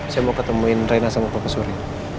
saya mau ketemuin raina sama pak suri